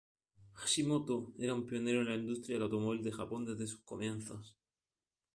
Hashimoto era un pionero en la industria del automóvil de Japón desde sus comienzos.